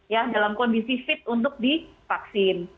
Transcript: ya dalam kondisi fit untuk divaksin